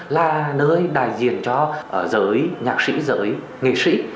là nơi đại diện cho giới nhạc sĩ giới nghệ sĩ